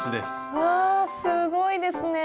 うわすごいですね！